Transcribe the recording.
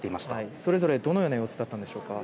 それぞれどのような様子だったんでしょうか。